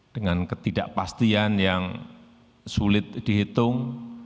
dengan ketidakpastian yang sulit dihitung